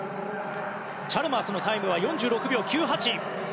チャルマースのタイムは４６秒９８。